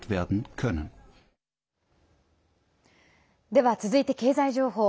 では、続いて経済情報。